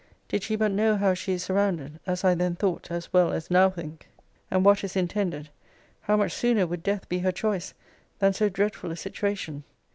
did she but know how she is surrounded, (as I then thought, as well as now think,) and what is intended, how much sooner would death be her choice, than so dreadful a situation!